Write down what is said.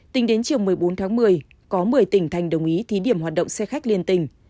tính đến chiều một mươi bốn tháng một mươi có một mươi tỉnh thành đồng ý thí điểm hoạt động xe khách liên tình